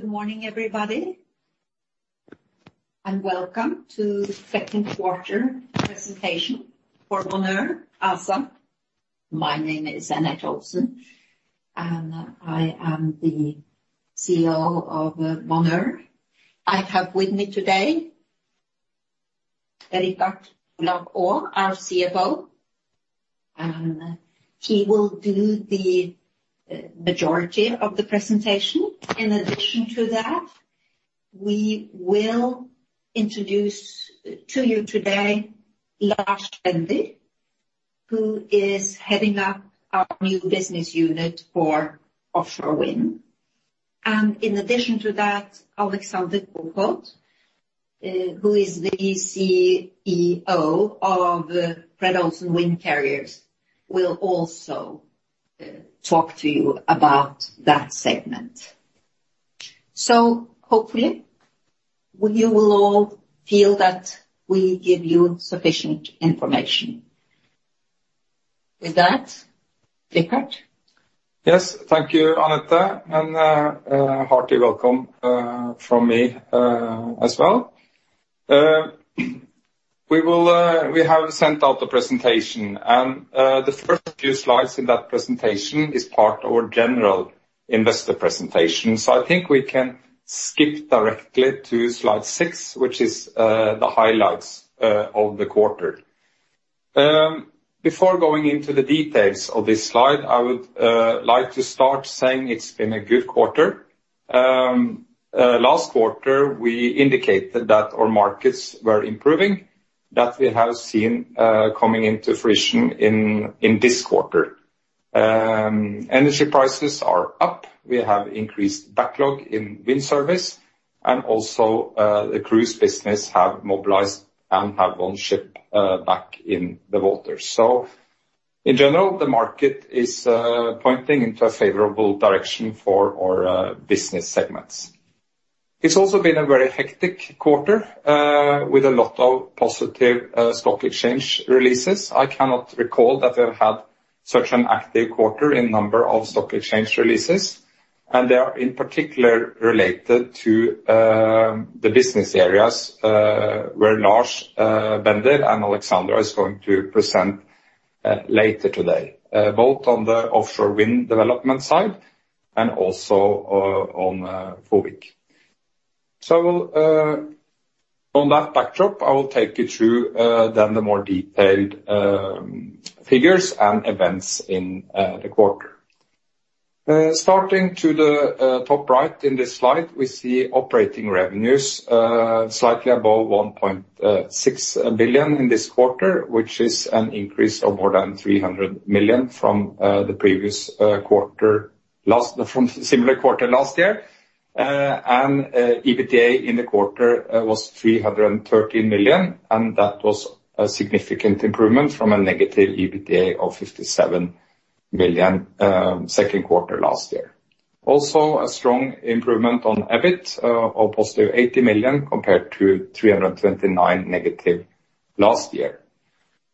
Good morning, everybody, welcome to the second quarter presentation for Bonheur ASA. My name is Anette Olsen, and I am the CEO of Bonheur. I have with me today, Richard Olav Aa, our CFO, and he will do the majority of the presentation. In addition to that, we will introduce to you today Lars Bender, who is heading up our new business unit for offshore wind. In addition to that, Alexandra Koefoed, who is the CEO of Fred. Olsen Windcarrier, will also talk to you about that segment. Hopefully, we will all feel that we give you sufficient information. With that, Richard. Yes. Thank you, Anette, and a hearty welcome from me as well. We have sent out the presentation. The first few slides in that presentation is part of our general investor presentation. I think we can skip directly to slide 6, which is the highlights of the quarter. Before going into the details of this slide, I would like to start saying it's been a good quarter. Last quarter, we indicated that our markets were improving, that we have seen coming into fruition in this quarter. Energy prices are up. We have increased backlog in wind service. Also, the cruise business have mobilized and have one ship back in the water. In general, the market is pointing into a favorable direction for our business segments. It's also been a very hectic quarter, with a lot of positive stock exchange releases. I cannot recall that we've had such an active quarter in number of stock exchange releases. They are in particular related to the business areas where Lars Bender and Alexandra is going to present later today, both on the offshore wind development side and also on FOWIC. On that backdrop, I will take you through then the more detailed figures and events in the quarter. Starting to the top right in this slide, we see operating revenues slightly above 1.6 billion in this quarter, which is an increase of more than 300 million from the similar quarter last year. EBITDA in the quarter was 330 million. That was a significant improvement from a negative EBITDA of 57 million second quarter last year. Also a strong improvement on EBIT of positive 80 million compared to 329 million negative last year.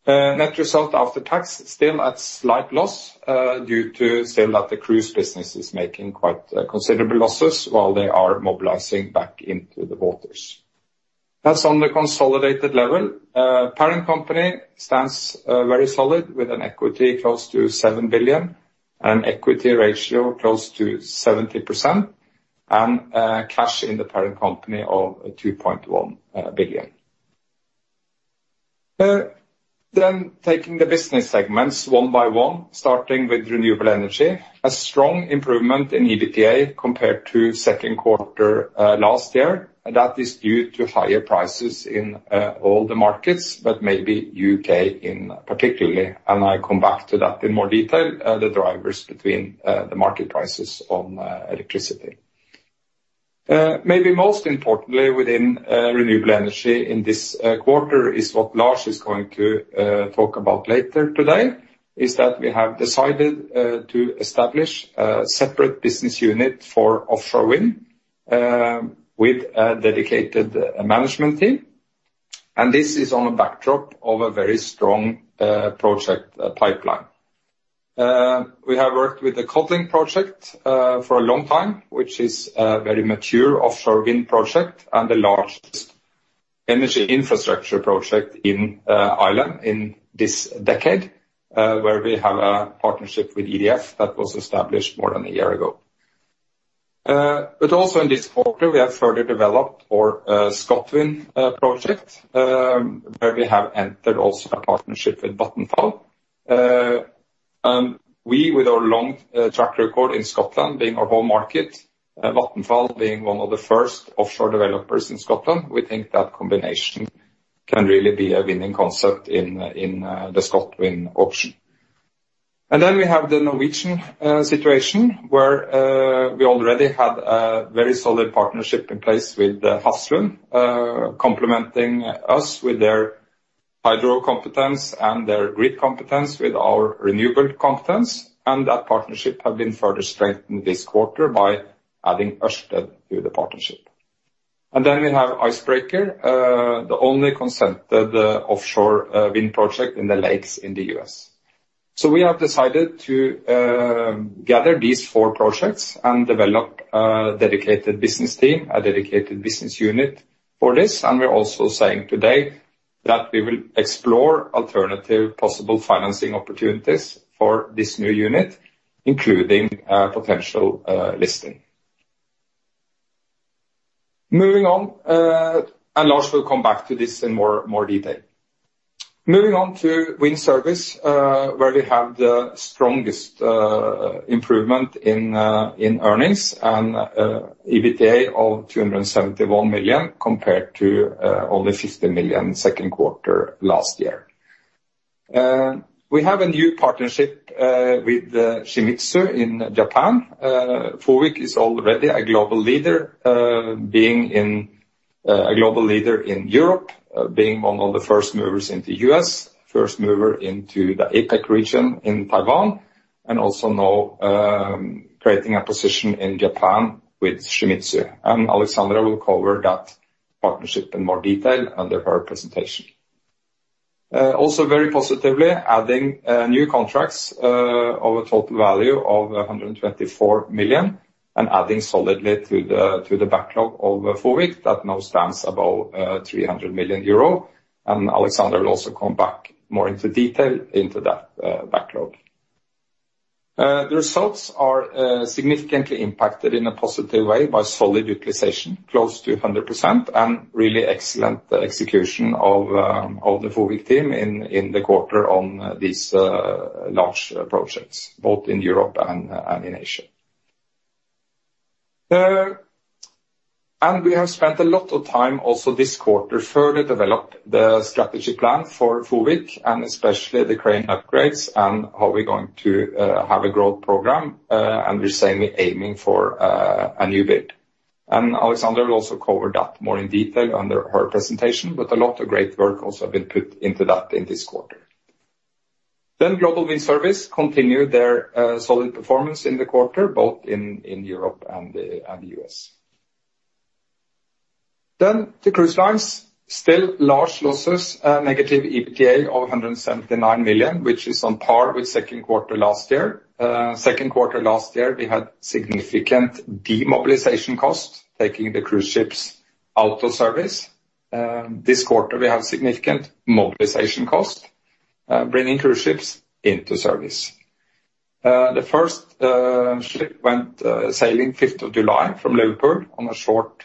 Net result after tax still at slight loss due to still that the cruise business is making quite considerable losses while they are mobilizing back into the waters. That's on the consolidated level. Parent company stands very solid with an equity close to 7 billion and equity ratio close to 70% and cash in the parent company of 2.1 billion. Taking the business segments one by one, starting with renewable energy, a strong improvement in EBITDA compared to second quarter last year. That is due to higher prices in all the markets, but maybe U.K. in particularly, and I come back to that in more detail, the drivers between the market prices on electricity. Maybe most importantly within renewable energy in this quarter is what Lars is going to talk about later today, is that we have decided to establish a separate business unit for offshore wind with a dedicated management team. This is on a backdrop of a very strong project pipeline. We have worked with the Codling project for a long time, which is a very mature offshore wind project and the largest energy infrastructure project in Ireland in this decade, where we have a partnership with EDF that was established more than a year ago. Also in this quarter, we have further developed our ScotWind project, where we have entered also a partnership with Vattenfall. We, with our long track record in Scotland being our home market and Vattenfall being one of the first offshore developers in Scotland, we think that combination can really be a winning concept in the ScotWind auction. We have the Norwegian situation where we already had a very solid partnership in place with the Hafslund, complementing us with their hydro competence and their grid competence with our renewable competence. That partnership has been further strengthened this quarter by adding Ørsted to the partnership. We have Icebreaker, the only consented offshore wind project in the lakes in the U.S. We have decided to gather these four projects and develop a dedicated business team, a dedicated business unit for this. We're also saying today that we will explore alternative possible financing opportunities for this new unit, including potential listing. Moving on. Lars Bender will come back to this in more detail. Moving on to wind service, where we have the strongest improvement in earnings and EBITDA of 271 million compared to only 50 million second quarter last year. We have a new partnership with Shimizu Corporation in Japan. Fred. Olsen Windcarrier is already a global leader, being a global leader in Europe, being one of the first movers into the U.S., first mover into the APAC region in Taiwan, and also now creating a position in Japan with Shimizu Corporation. Alexandra Koefoed will cover that partnership in more detail under her presentation. Also very positively, adding new contracts of a total value of 124 million, adding solidly to the backlog of Fred. Olsen Windcarrier that now stands above 300 million euro. Alexandra Koefoed will also come back more into detail into that backlog. The results are significantly impacted in a positive way by solid utilization, close to 100%, really excellent execution of the Fred. Olsen Windcarrier team in the quarter on these large projects, both in Europe and in Asia. We have spent a lot of time also this quarter further develop the strategy plan for Fred. Olsen Windcarrier and especially the crane upgrades and how we're going to have a growth program. We're saying we're aiming for a newbuild. Alexandra will also cover that more in detail under her presentation. A lot of great work also been put into that in this quarter. Global Wind Service continued their solid performance in the quarter, both in Europe and the U.S. The cruise lines, still large losses, negative EBITDA of 179 million, which is on par with second quarter last year. Second quarter last year, we had significant demobilization costs, taking the cruise ships out of service. This quarter, we have significant mobilization costs, bringing cruise ships into service. The first ship went sailing 5th of July from Liverpool on a short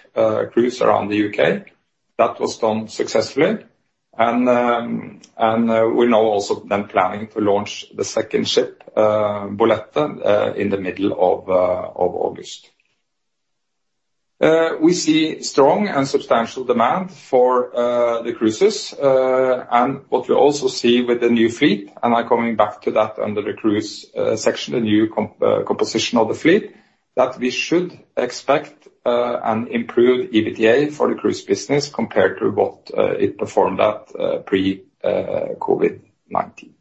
cruise around the U.K. That was done successfully. We're now also then planning to launch the second ship, Bolette, in the middle of August. We see strong and substantial demand for the cruises. What we also see with the new fleet, and I'm coming back to that under the cruise section, the new composition of the fleet, that we should expect an improved EBITDA for the cruise business compared to what it performed at pre-COVID-19.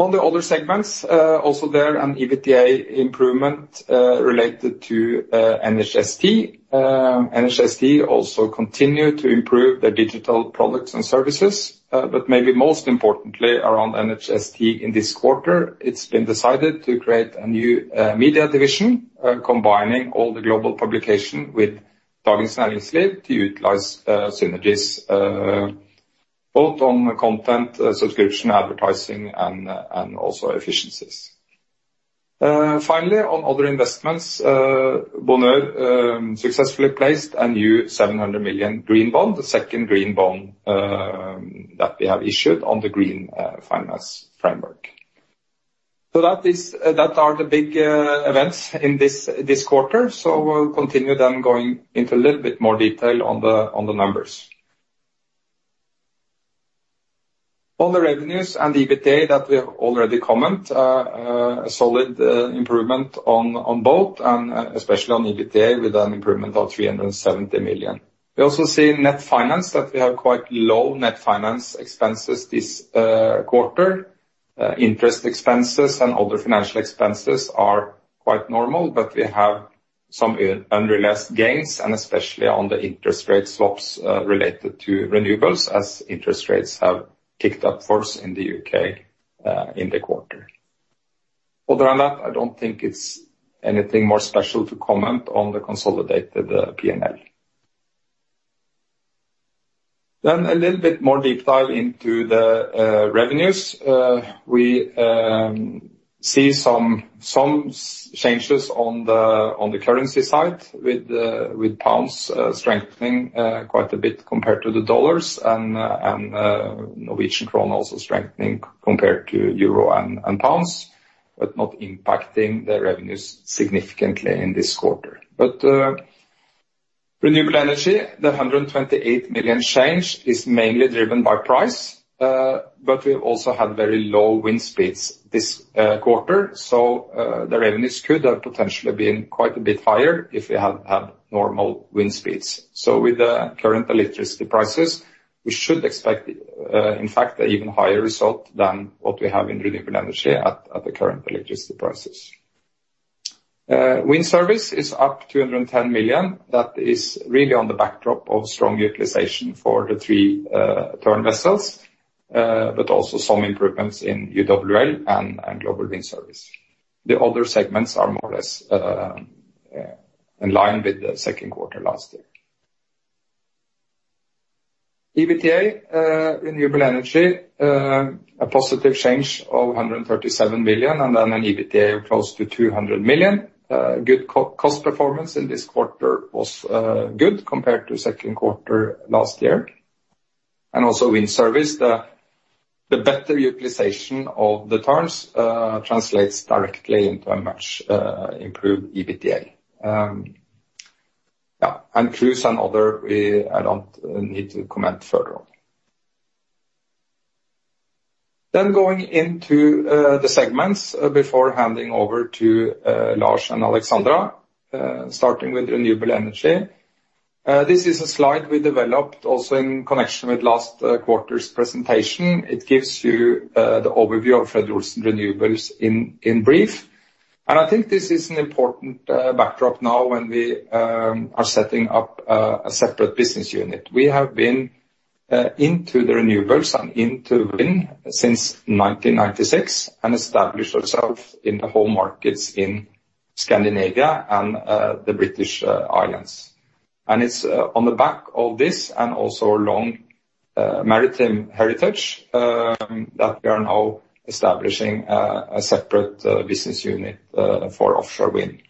On the other segments, also there an EBITDA improvement related to NHST. NHST also continued to improve their digital products and services. Maybe most importantly around NHST in this quarter, it's been decided to create a new media division combining all the global publication with Dagens Næringsliv to utilize synergies, both on content, subscription, advertising, and also efficiencies. On other investments, Bonheur successfully placed a new 700 million green bond, the second green bond that we have issued on the green finance framework. That are the big events in this quarter. We'll continue then going into a little bit more detail on the numbers. On the revenues and EBITDA that we have already comment, a solid improvement on both and especially on EBITDA with an improvement of 370 million. We also see net finance that we have quite low net finance expenses this quarter. Interest expenses and other financial expenses are quite normal, but we have some unrealized gains and especially on the interest rate swaps related to renewables as interest rates have ticked up first in the U.K. in the quarter. Other than that, I don't think it's anything more special to comment on the consolidated P&L. A little bit more deep dive into the revenues. We see some changes on the currency side with pounds strengthening quite a bit compared to the dollars and Norwegian kroner also strengthening compared to euro and pounds, but not impacting the revenues significantly in this quarter. Renewable energy, the 128 million change is mainly driven by price, but we also had very low wind speeds this quarter, so the revenues could have potentially been quite a bit higher if we had normal wind speeds. With the current electricity prices. We should expect, in fact, an even higher result than what we have in Renewable Energy at the current electricity prices. Wind Service is up 210 million. That is really on the backdrop of strong utilization for the three Tern vessels, but also some improvements in UWL and Global Wind Service. The other segments are more or less in line with the second quarter last year. EBITDA Renewable Energy, a positive change of 137 million and an EBITDA close to 200 million. Cost performance in this quarter was good compared to second quarter last year. Also Wind Service, the better utilization of the Terns translates directly into a much improved EBITDA. Cruise and Other, I don't need to comment further on. Going into the segments before handing over to Lars and Alexandra. Starting with Renewable Energy. This is a slide we developed also in connection with last quarter's presentation. It gives you the overview of Fred. Olsen Renewables in brief. I think this is an important backdrop now when we are setting up a separate business unit. We have been into the renewables and into wind since 1996 and established ourselves in the home markets in Scandinavia and the British Islands. It's on the back of this and also a long maritime heritage that we are now establishing a separate business unit for offshore wind.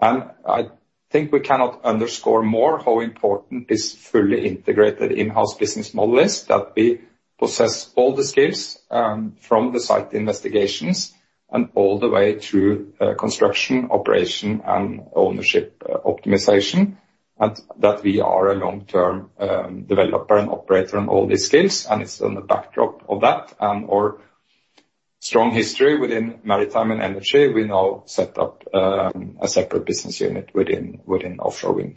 I think we cannot underscore more how important this fully integrated in-house business model is, that we possess all the skills from the site investigations and all the way through construction, operation and ownership optimization, and that we are a long-term developer and operator on all these skills. It's on the backdrop of that and our strong history within maritime and energy, we now set up a separate business unit within offshore wind.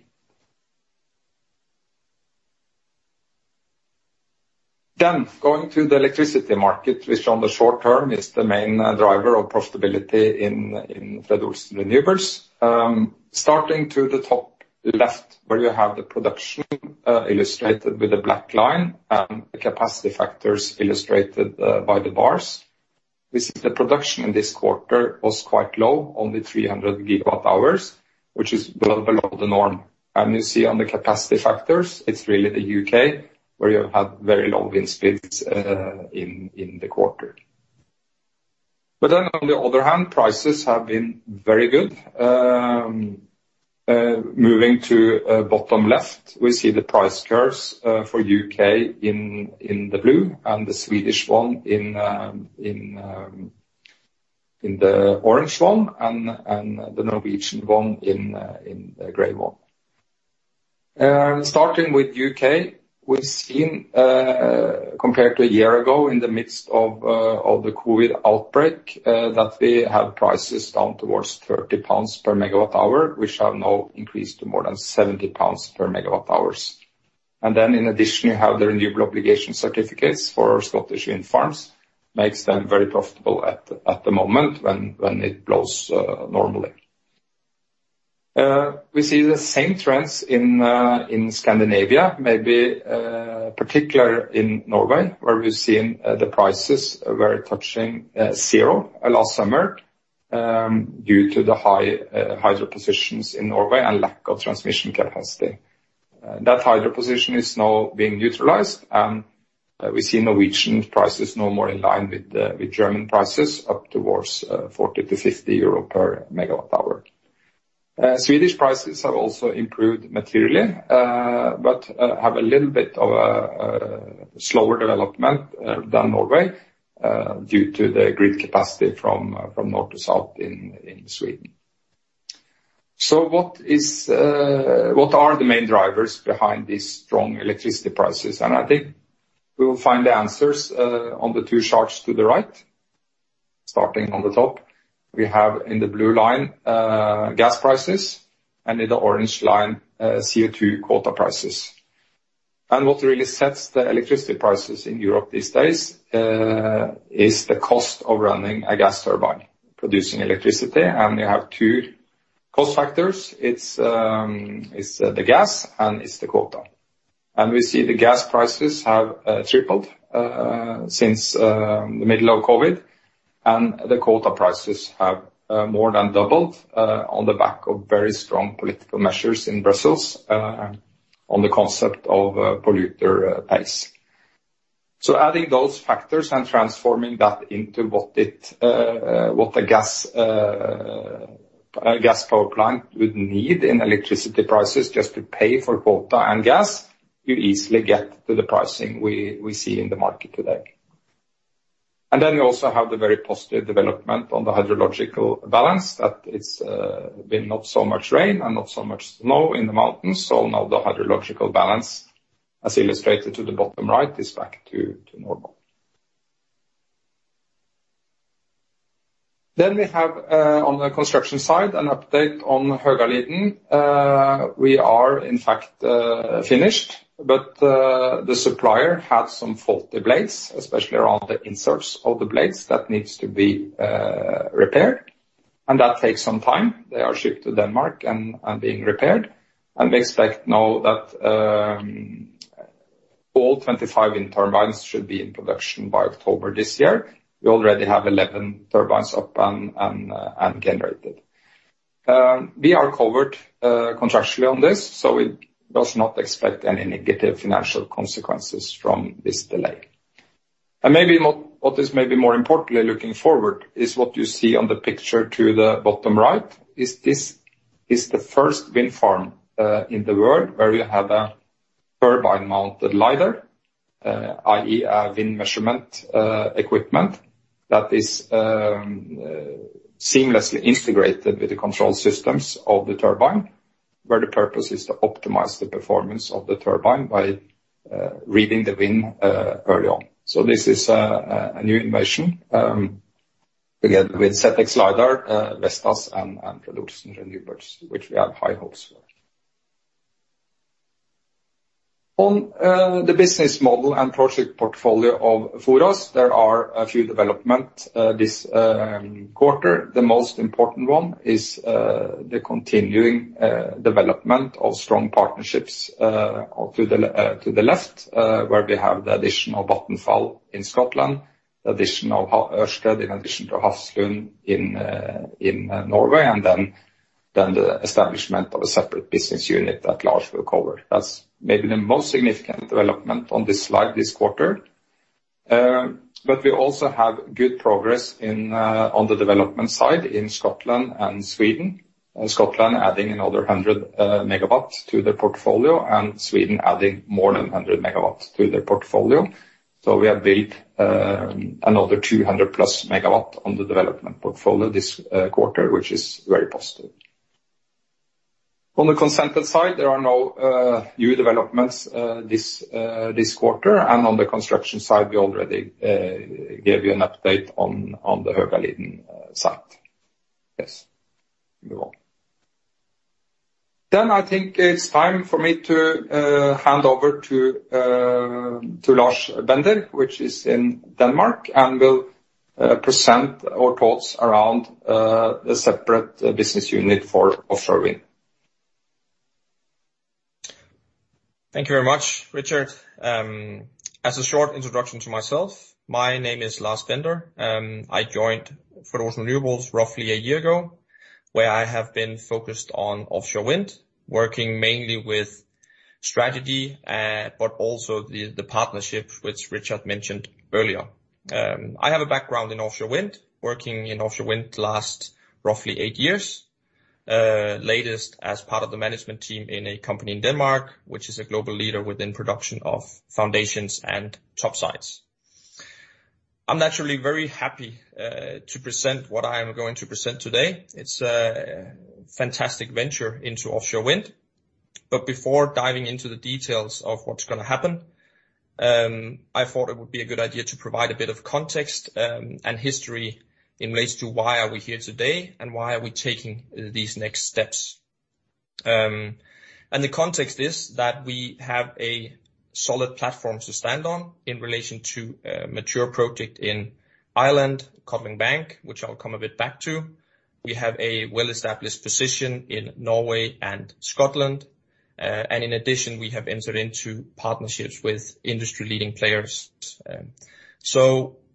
Going to the electricity market, which on the short term is the main driver of profitability in Fred. Olsen Renewables. Starting to the top left where you have the production illustrated with the black line and the capacity factors illustrated by the bars. This is the production in this quarter was quite low, only 300 gigawatt hours, which is well below the norm. You see on the capacity factors, it's really the U.K. where you have very long wind speeds in the quarter. On the other hand, prices have been very good. Moving to bottom left, we see the price curves for U.K. in the blue and the Swedish one in the orange one and the Norwegian one in the gray one. Starting with U.K., we've seen, compared to a year ago in the midst of the COVID-19 outbreak, that we had prices down towards 30 pounds per megawatt hour, which have now increased to more than 70 pounds per megawatt hours. In addition, you have the Renewables Obligation Certificates for Scottish wind farms, makes them very profitable at the moment when it blows normally. We see the same trends in Scandinavia, maybe particularly in Norway, where we've seen the prices were touching 0 last summer due to the high hydro positions in Norway and lack of transmission capacity. That hydro position is now being utilized, and we see Norwegian prices now more in line with German prices up towards 40 to 50 euro per MWh. Swedish prices have also improved materially, but have a little bit of a slower development than Norway due to the grid capacity from north to south in Sweden. What are the main drivers behind these strong electricity prices? I think we will find the answers on the two charts to the right. Starting on the top, we have in the blue line gas prices and in the orange line CO2 quota prices. What really sets the electricity prices in Europe these days is the cost of running a gas turbine producing electricity. You have two cost factors. It's the gas and it's the quota. We see the gas prices have tripled since the middle of COVID-19, and the quota prices have more than doubled on the back of very strong political measures in Brussels on the concept of polluter pays. Adding those factors and transforming that into what a gas power plant would need in electricity prices just to pay for quota and gas, you easily get to the pricing we see in the market today. You also have the very positive development on the hydrological balance that it's been not so much rain and not so much snow in the mountains. Now the hydrological balance, as illustrated to the bottom right, is back to normal. We have on the construction side, an update on Högaliden. We are in fact finished, but the supplier had some faulty blades, especially around the inserts of the blades that needs to be repaired, and that takes some time. They are shipped to Denmark and are being repaired. We expect now that all 25 wind turbines should be in production by October this year. We already have 11 turbines up and generated. We are covered contractually on this, so it does not expect any negative financial consequences from this delay. Maybe what is maybe more importantly, looking forward, is what you see on the picture to the bottom right is this is the first wind farm in the world where you have a turbine mounted LiDAR, i.e., a wind measurement equipment that is seamlessly integrated with the control systems of the turbine, where the purpose is to optimize the performance of the turbine by reading the wind early on. This is a new invention, again, with ZX Lidars, Vestas, and Fred. Olsen Renewables, which we have high hopes for. On the business model and project portfolio of for us, there are a few development this quarter. The most important one is the continuing development of strong partnerships, to the left, where we have the additional Vattenfall in Scotland, additional Ørsted in addition to Hafslund in Norway. The establishment of a separate business unit that Lars will cover. That's maybe the most significant development on this slide this quarter. We also have good progress on the development side in Scotland and Sweden. Scotland adding another 100 MW to their portfolio, and Sweden adding more than 100 MW to their portfolio. We have built another 200+ MW on the development portfolio this quarter, which is very positive. On the consented side, there are no new developments this quarter. On the construction side, we already gave you an update on the Högaliden site. Yes. Move on. I think it's time for me to hand over to Lars Bender, which is in Denmark, and will present our thoughts around the separate business unit for offshore wind. Thank you very much, Richard. As a short introduction to myself, my name is Lars Bender. I joined Fred. Olsen Renewables roughly a year ago, where I have been focused on offshore wind, working mainly with strategy, but also the partnership which Richard mentioned earlier. I have a background in offshore wind, working in offshore wind the last roughly eight years. Latest as part of the management team in a company in Denmark, which is a global leader within production of foundations and top sides. I'm naturally very happy to present what I am going to present today. It's a fantastic venture into offshore wind. Before diving into the details of what's going to happen, I thought it would be a good idea to provide a bit of context, and history in relation to why are we here today and why are we taking these next steps. The context is that we have a solid platform to stand on in relation to a mature project in Ireland, Codling Bank, which I'll come a bit back to. We have a well-established position in Norway and Scotland. In addition, we have entered into partnerships with industry leading players.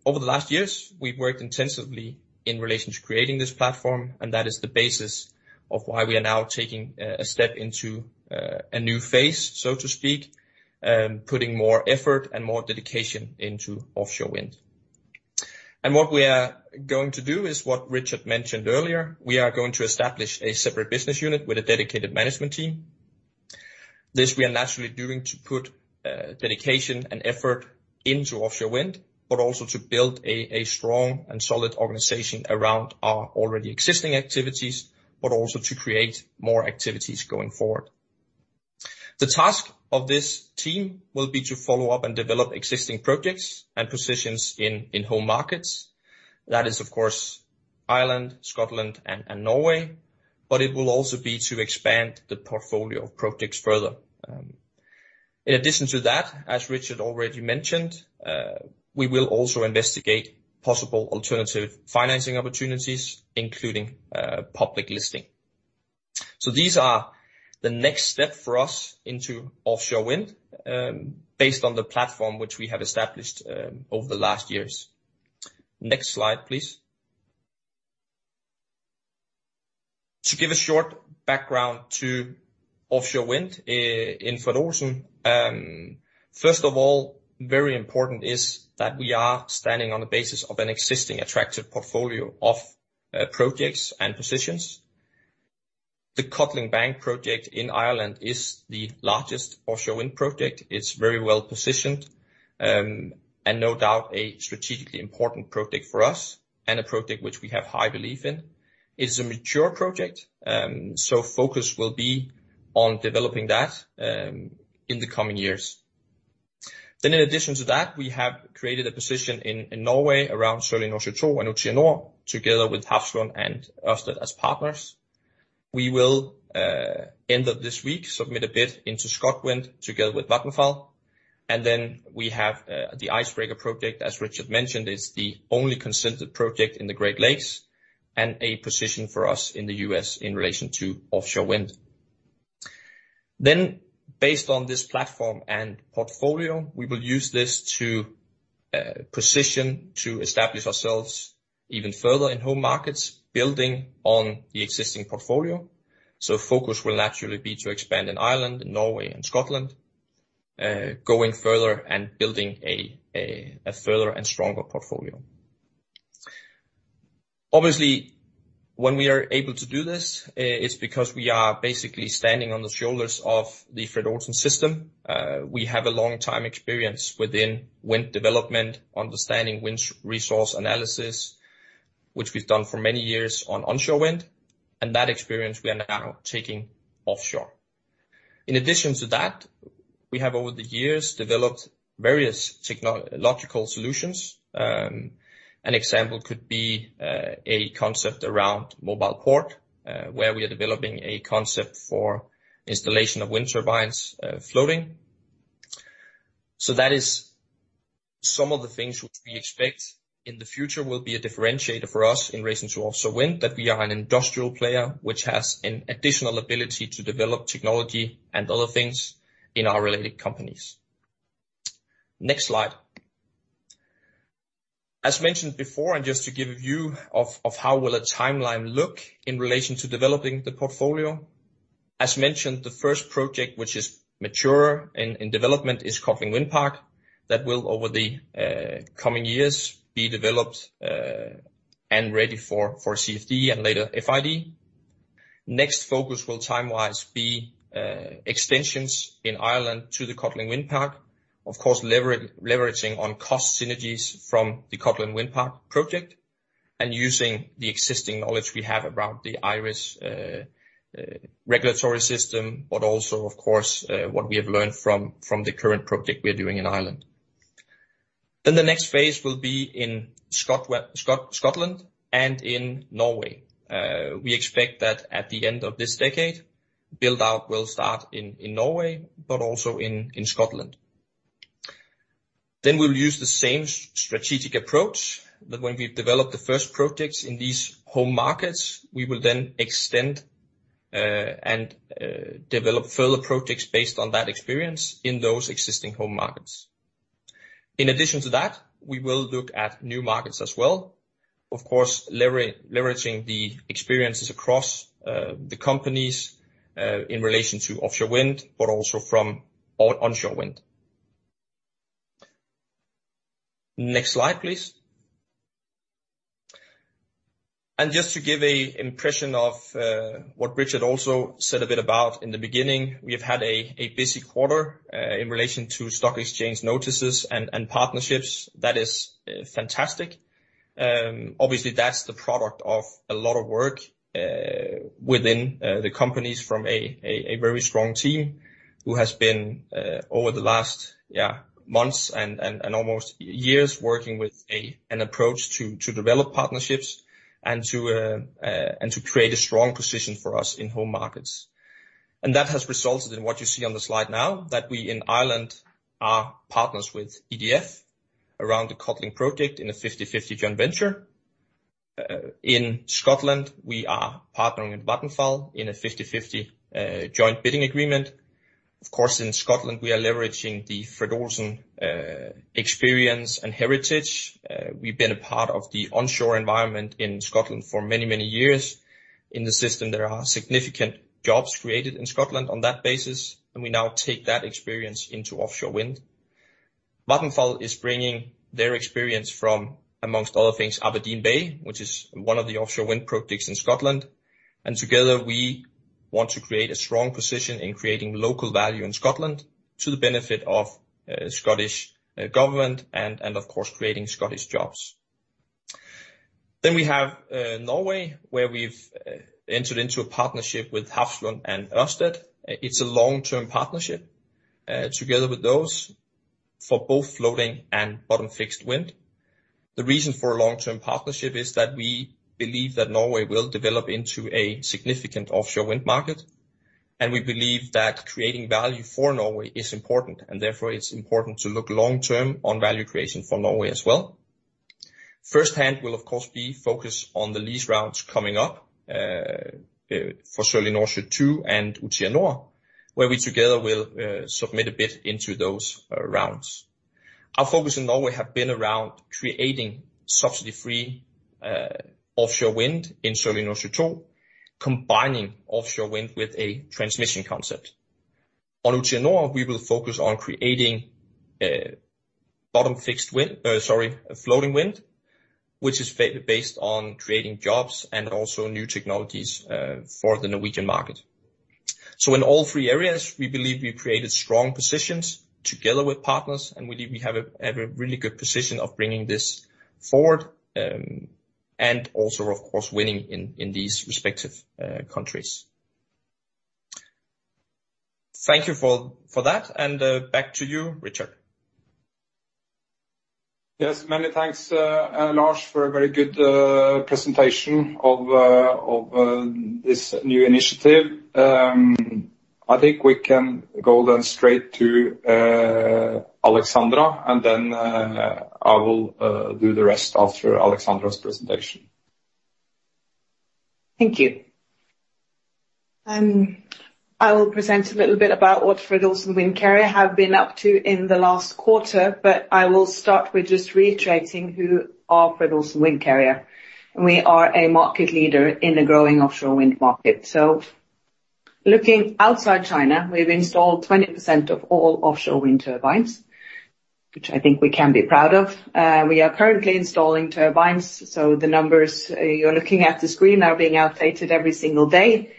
Over the last years, we've worked intensively in relation to creating this platform, and that is the basis of why we are now taking a step into a new phase, so to speak, putting more effort and more dedication into offshore wind. What we are going to do is what Richard mentioned earlier. We are going to establish a separate business unit with a dedicated management team. This we are naturally doing to put dedication and effort into offshore wind, but also to build a strong and solid organization around our already existing activities, but also to create more activities going forward. The task of this team will be to follow up and develop existing projects and positions in home markets. That is, of course, Ireland, Scotland, and Norway, but it will also be to expand the portfolio of projects further. In addition to that, as Richard already mentioned, we will also investigate possible alternative financing opportunities, including public listing. These are the next step for us into offshore wind, based on the platform which we have established over the last years. Next slide, please. To give a short background to offshore wind in Fred. Olsen. First of all, very important is that we are standing on the basis of an existing attractive portfolio of projects and positions. The Codling Bank project in Ireland is the largest offshore wind project. It's very well-positioned, and no doubt a strategically important project for us and a project which we have high belief in. It is a mature project, so focus will be on developing that in the coming years. In addition to that, we have created a position in Norway around Sørlige Nordsjø II and Utsira Nord together with Hafslund and Ørsted as partners. We will end up this week submit a bid into ScotWind together with Vattenfall. We have the Icebreaker project, as Richard mentioned, is the only consented project in the Great Lakes and a position for us in the U.S. in relation to offshore wind. Based on this platform and portfolio, we will use this to position to establish ourselves even further in home markets, building on the existing portfolio. Focus will naturally be to expand in Ireland and Norway and Scotland, going further and building a further and stronger portfolio. Obviously, when we are able to do this, it's because we are basically standing on the shoulders of the Fred. Olsen system. We have a long time experience within wind development, understanding wind resource analysis, which we've done for many years on onshore wind, and that experience we are now taking offshore. In addition to that, we have over the years developed various technological solutions. An example could be a concept around mobile port, where we are developing a concept for installation of wind turbines floating. That is some of the things which we expect in the future will be a differentiator for us in relation to offshore wind, that we are an industrial player which has an additional ability to develop technology and other things in our related companies. Next slide. As mentioned before, just to give you a view of how will a timeline look in relation to developing the portfolio. As mentioned, the first project which is mature in development is Codling Wind Park. That will over the coming years be developed, and ready for CFD and later FID. Next focus will time-wise be extensions in Ireland to the Codling Wind Park. Of course, leveraging on cost synergies from the Codling Wind Park project and using the existing knowledge we have around the Irish regulatory system, but also of course, what we have learned from the current project we are doing in Ireland. Then the next phase will be in Scotland and in Norway. We expect that at the end of this decade, build-out will start in Norway, but also in Scotland. Then we'll use the same strategic approach that when we develop the first projects in these home markets, we will then extend and develop further projects based on that experience in those existing home markets. In addition to that, we will look at new markets as well. Of course, leveraging the experiences across the companies in relation to offshore wind, but also from onshore wind. Next slide, please. Just to give an impression of what Richard also said a bit about in the beginning, we've had a busy quarter in relation to stock exchange notices and partnerships. That is fantastic. Obviously, that's the product of a lot of work within the companies from a very strong team who has been, over the last months and almost years, working with an approach to develop partnerships and to create a strong position for us in home markets. That has resulted in what you see on the slide now, that we in Ireland are partners with EDF around the Codling Wind Park in a 50/50 joint venture. In Scotland, we are partnering with Vattenfall in a 50/50 joint bidding agreement. In Scotland, we are leveraging the Fred. Olsen experience and heritage. We've been a part of the onshore environment in Scotland for many, many years. In the system, there are significant jobs created in Scotland on that basis, we now take that experience into offshore wind. Vattenfall is bringing their experience from, amongst other things, Aberdeen Bay, which is one of the offshore wind projects in Scotland. Together we want to create a strong position in creating local value in Scotland to the benefit of Scottish government and of course, creating Scottish jobs. We have Norway, where we've entered into a partnership with Hafslund and Ørsted. It's a long-term partnership together with those for both floating and bottom-fixed wind. The reason for a long-term partnership is that we believe that Norway will develop into a significant offshore wind market, and we believe that creating value for Norway is important, and therefore it's important to look long-term on value creation for Norway as well. Firsthand will of course, be focused on the lease rounds coming up for Sørlige Nordsjø II and Utsira Nord, where we together will submit a bid into those rounds. Our focus in Norway have been around creating subsidy-free offshore wind in Sørlige Nordsjø II, combining offshore wind with a transmission concept. On Utsira Nord, we will focus on creating bottom-fixed wind, sorry, floating wind, which is based on creating jobs and also new technologies for the Norwegian market. In all three areas, we believe we created strong positions together with partners, and we believe we have a really good position of bringing this forward, and also of course, winning in these respective countries. Thank you for that, and back to you, Richard. Yes. Many thanks, Lars, for a very good presentation of this new initiative. I think we can go then straight to Alexandra, and then I will do the rest after Alexandra's presentation. Thank you. I will present a little bit about what Fred. Olsen Windcarrier have been up to in the last quarter. I will start with just reiterating who are Fred. Olsen Windcarrier. We are a market leader in the growing offshore wind market. Looking outside China, we've installed 20% of all offshore wind turbines, which I think we can be proud of. We are currently installing turbines, the numbers you're looking at the screen are being outdated every single day.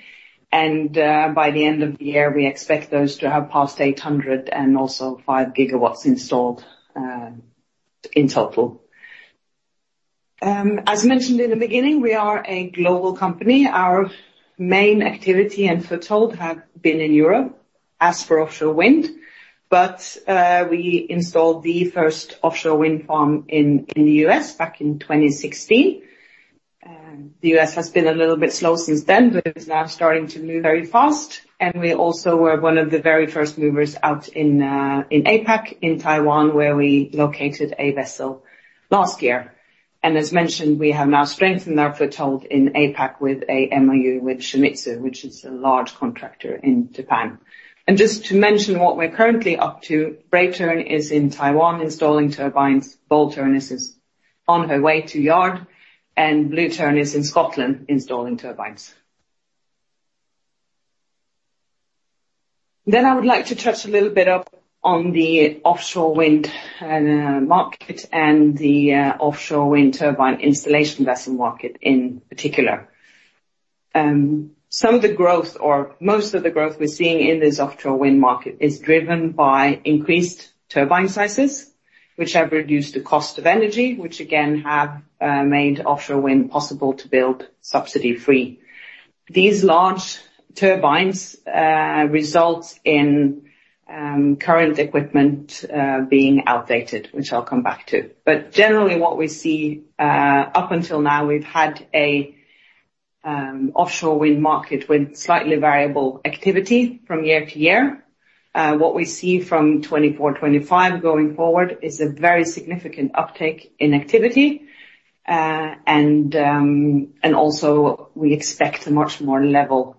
By the end of the year, we expect those to have passed 800 GW and also 5 GW installed in total. As mentioned in the beginning, we are a global company. Our main activity and foothold have been in Europe as for offshore wind. We installed the first offshore wind farm in the U.S. back in 2016. The U.S. has been a little bit slow since then, but it is now starting to move very fast. We also were one of the very first movers out in APAC in Taiwan, where we located a vessel last year. As mentioned, we have now strengthened our foothold in APAC with a MOU with Shimizu, which is a large contractor in Japan. Just to mention what we're currently up to, Brave Tern is in Taiwan installing turbines. Bold Tern is on her way to yard, and Blue Tern is in Scotland installing turbines. I would like to touch a little bit up on the offshore wind market and the offshore wind turbine installation vessel market in particular. Some of the growth or most of the growth we're seeing in this offshore wind market is driven by increased turbine sizes, which have reduced the cost of energy, which again have made offshore wind possible to build subsidy free. These large turbines result in current equipment being outdated, which I'll come back to. Generally what we see up until now, we've had an offshore wind market with slightly variable activity from year to year. What we see from 2024, 2025 going forward is a very significant uptick in activity. Also we expect a much more level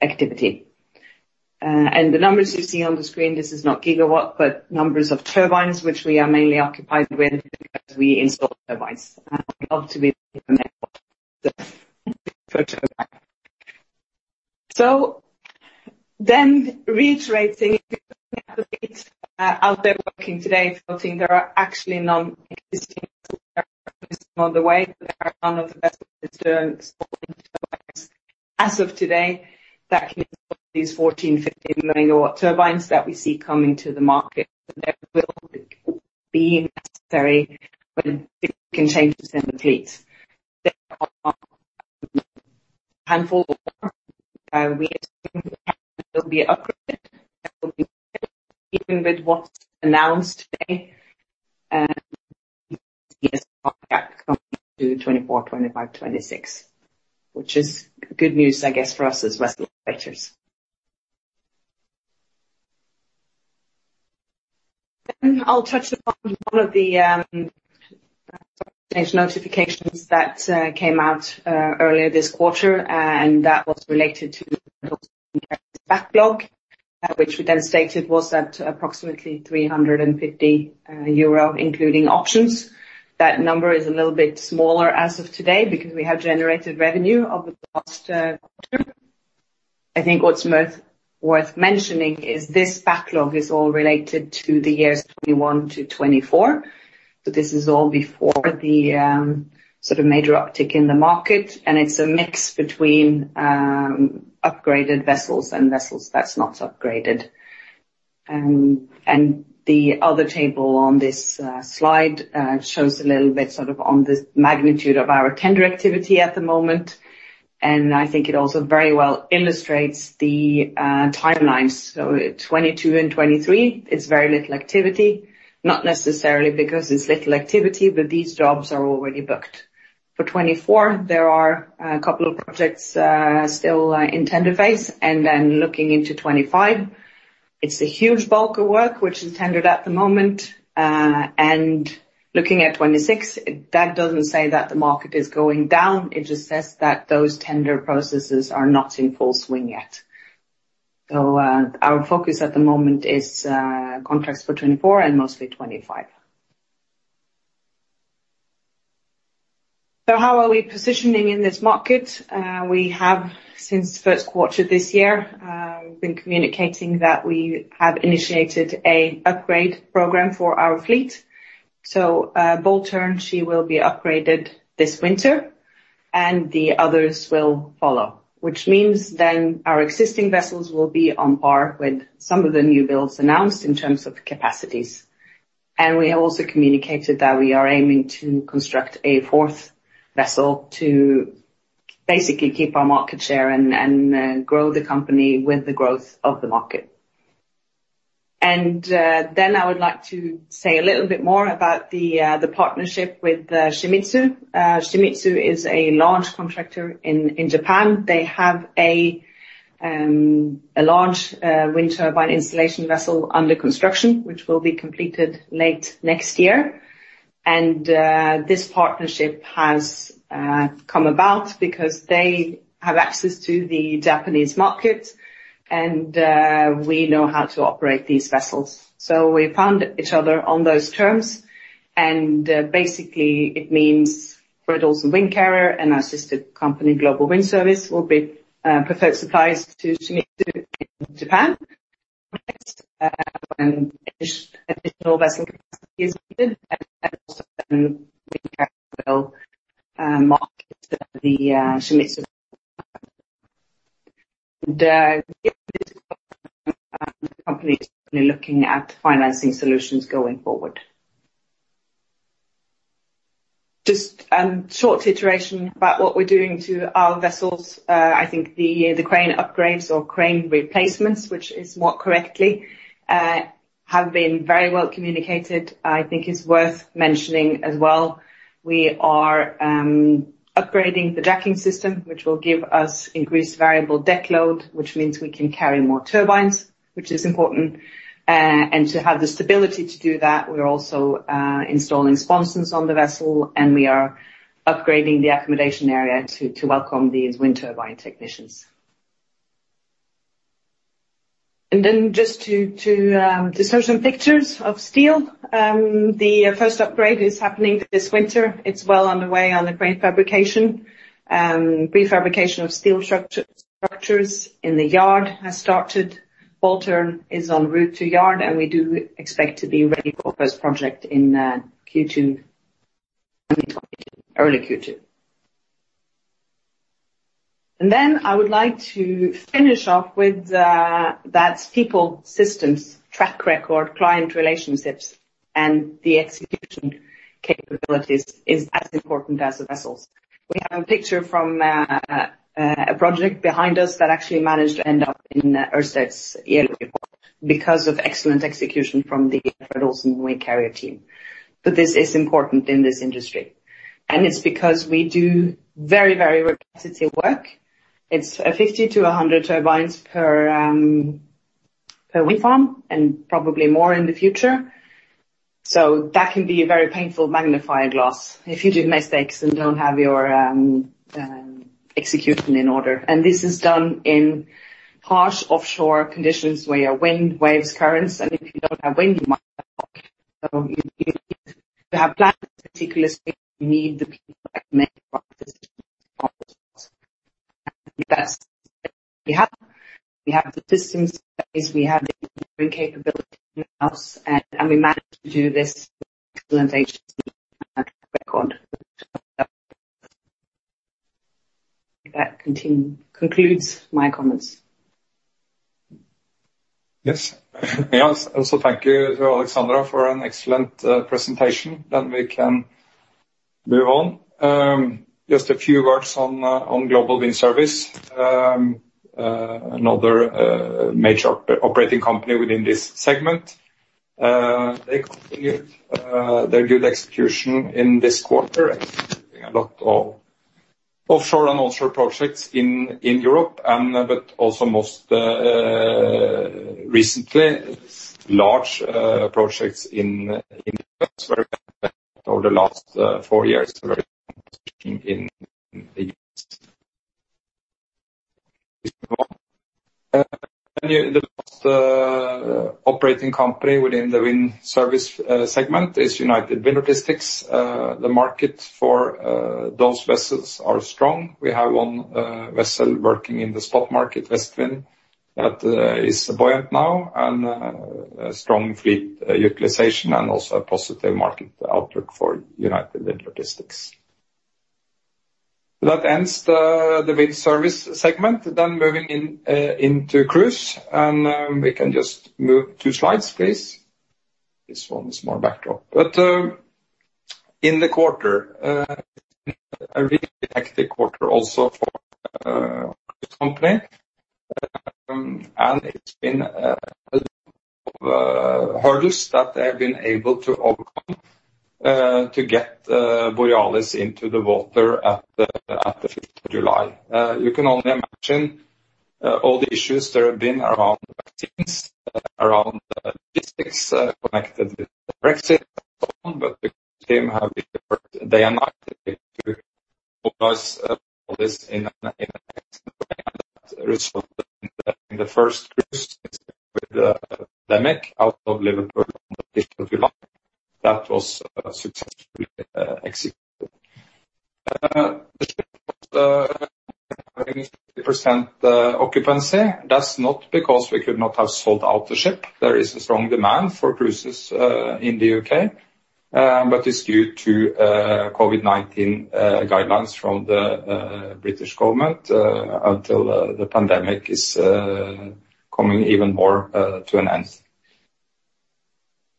activity. The numbers you see on the screen, this is not gigawatt, but numbers of turbines, which we are mainly occupied with because we install turbines. Reiterating out there working today, there are actually non-existing on the way. There are none of the best. As of today, that can install these 14, 15 MW turbines that we see coming to the market. There will be necessary, it can change the fleet. Handful there will be an upgrade even with what's announced today. Coming to 2024, 2025, 2026. Which is good news, I guess, for us as vessel operators. I'll touch upon one of the notifications that came out earlier this quarter, and that was related to the backlog, which we then stated was at approximately 350 euro, including options. That number is a little bit smaller as of today because we have generated revenue over the past quarter. I think what's worth mentioning is this backlog is all related to the years 2021 to 2024. This is all before the sort of major uptick in the market, and it's a mix between upgraded vessels and vessels that's not upgraded. The other table on this slide shows a little bit sort of on the magnitude of our tender activity at the moment. I think it also very well illustrates the timelines. 2022 and 2023 is very little activity, not necessarily because it's little activity, but these jobs are already booked. For 2024, there are a couple of projects still in tender phase. Looking into 2025, it's a huge bulk of work which is tendered at the moment. Looking at 2026, that doesn't say that the market is going down. It just says that those tender processes are not in full swing yet. Our focus at the moment is contracts for 2024 and mostly 2025. How are we positioning in this market? We have, since the first quarter this year, been communicating that we have initiated a upgrade program for our fleet. Bold Tern, she will be upgraded this winter, and the others will follow, which means our existing vessels will be on par with some of the new builds announced in terms of capacities. We also communicated that we are aiming to construct a fourth vessel to basically keep our market share and grow the company with the growth of the market. I would like to say a little bit more about the partnership with Shimizu. Shimizu is a large contractor in Japan. They have a large wind turbine installation vessel under construction, which will be completed late next year. This partnership has come about because they have access to the Japanese market, and we know how to operate these vessels. We found each other on those terms, and basically, it means Fred. Olsen Windcarrier and our sister company, Global Wind Service, will be preferred suppliers to Shimizu in Japan. The companies will be looking at financing solutions going forward. Just a short iteration about what we're doing to our vessels. I think the crane upgrades or crane replacements, which is more correctly, have been very well communicated. I think it's worth mentioning as well, we are upgrading the jacking system, which will give us increased variable deck load, which means we can carry more turbines, which is important. To have the stability to do that, we're also installing sponsons on the vessel, and we are upgrading the accommodation area to welcome these wind turbine technicians. Just to show some pictures of steel. The first upgrade is happening this winter. It's well on the way on the crane prefabrication. Prefabrication of steel structures in the yard has started. Bold Tern is on route to yard, and we do expect to be ready for the first project in Q2 2022, early Q2. I would like to finish off with that people, systems, track record, client relationships, and the execution capabilities is as important as the vessels. We have a picture from a project behind us that actually managed to end up in Ørsted's yearly report because of excellent execution from the Fred. Olsen Windcarrier team. This is important in this industry, and it's because we do very, very repetitive work. It's 50 to 100 turbines per week on, and probably more in the future. That can be a very painful magnifying loss if you do mistakes and don't have your execution in order. This is done in harsh offshore conditions where your wind, waves, currents. You have plans, but you need the people. We have the systems in place, we have the capability in-house, we manage to do this with excellent HSE track record. That concludes my comments. Yes. Also thank you to Alexandra for an excellent presentation. We can move on. Just a few words on Global Wind Service. Another major operating company within this segment. They continued their good execution in this quarter, executing a lot of offshore and onshore projects in Europe and also most recently, large projects in the U.S. for the last four years in the East. Operating company within the wind service segment is United Wind Logistics. The market for those vessels are strong. We have one vessel working in the spot market, VestVind, that is buoyant now, and a strong fleet utilization and also a positive market outlook for United Wind Logistics. That ends the wind service segment. Moving into Cruise, and we can just move two slides, please. This one is more background. In the quarter, a really hectic quarter also for our cruise company, and it's been a lot of hurdles that they've been able to overcome to get the Borealis into the water at the 5th of July. You can only imagine all the issues there have been around the teams, around the logistics connected with the Brexit and so on. The team have worked day and night to launch Borealis in excellent way that resulted in the first cruise since the pandemic out of Liverpool on the 5th of July. That was successfully executed. The ship was operating at 90% occupancy. That's not because we could not have sold out the ship. There is a strong demand for cruises in the U.K. It's due to COVID-19 guidelines from the British government until the pandemic is coming even more to an end.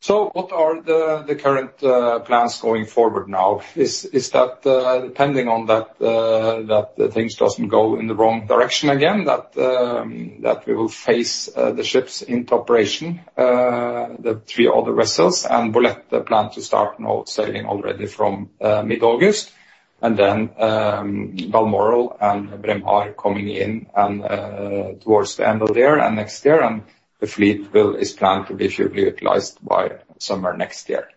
What are the current plans going forward now? Is that depending on that things doesn't go in the wrong direction again, that we will phase the ships into operation, the three other vessels, and Bolette plan to start now sailing already from mid-August, and then Balmoral and Braemar coming in towards the end of the year and next year. The fleet build is planned to be fully utilized by summer next year.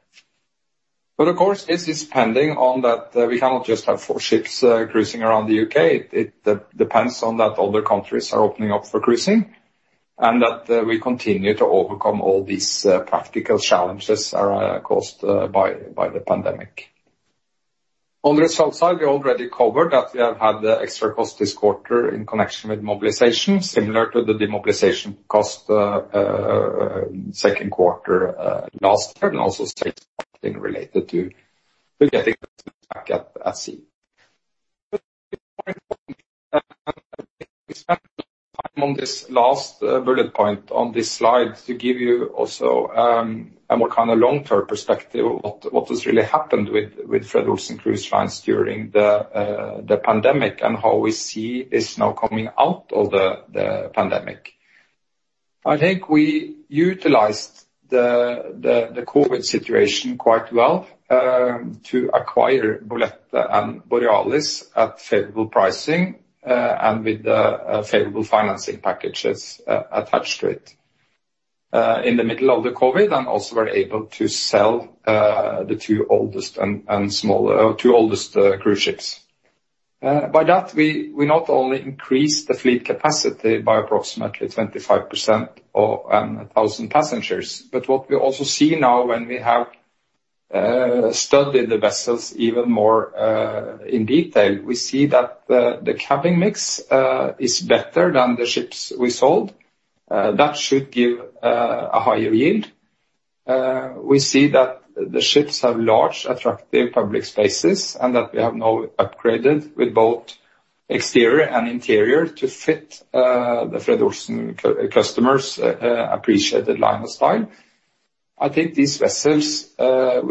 Of course, this is pending on that we cannot just have four ships cruising around the U.K. It depends on that other countries are opening up for cruising, and that we continue to overcome all these practical challenges are caused by the pandemic. On the result side, we already covered that we have had the extra cost this quarter in connection with mobilization, similar to the demobilization cost second quarter last year, and also safety related to getting back at sea. I'm on this last bullet point on this slide to give you also a more long-term perspective of what has really happened with Fred. Olsen Cruise Lines during the pandemic, and how we see is now coming out of the pandemic. I think we utilized the COVID-19 situation quite well to acquire Bolette and Borealis at favorable pricing, and with favorable financing packages attached to it. In the middle of the COVID-19, we also were able to sell the two oldest cruise ships. By that, we not only increased the fleet capacity by approximately 25% or 1,000 passengers. What we also see now, when we have studied the vessels even more in detail, we see that the cabin mix is better than the ships we sold. That should give a higher yield. We see that the ships have large, attractive public spaces, and that we have now upgraded with both exterior and interior to fit the Fred. Olsen customers appreciated line of style. I think these vessels, of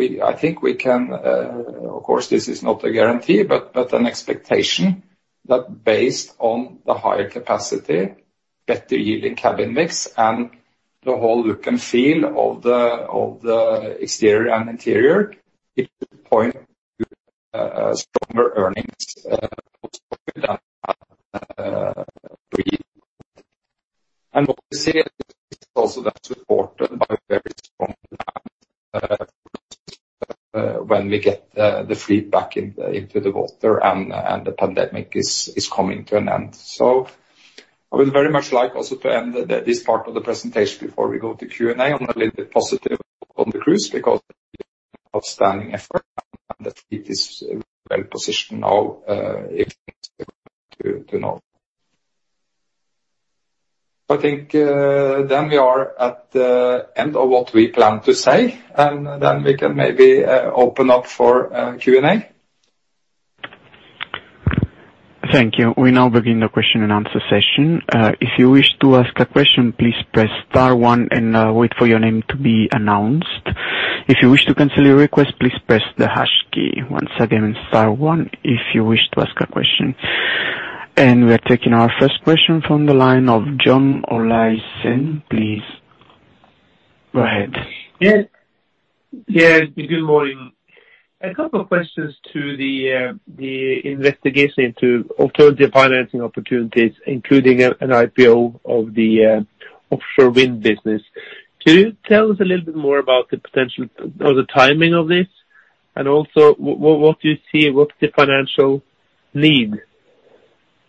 course, this is not a guarantee, but an expectation that based on the higher capacity, better yielding cabin mix, and the whole look and feel of the exterior and interior, it point to stronger earnings when we get the fleet back into the water and the pandemic is coming to an end. I would very much like also to end this part of the presentation before we go to Q&A on a little bit positive on the cruise, because outstanding effort and the fleet is well positioned now to know. I think we are at the end of what we plan to say, we can maybe open up for Q&A. Thank you. We now begin the question and answer session. If you wish to ask a question, please press star one and wait for your name to be announced. If you wish to cancel your request, please press the hash key. Once again, star one if you wish to ask a question. We are taking our first question from the line of John Olaisen. Please go ahead. Yes. Good morning. A couple of questions to the investigation into alternative financing opportunities, including an IPO of the offshore wind business. Can you tell us a little bit more about the potential or the timing of this? Also, what you see, what's the financial need?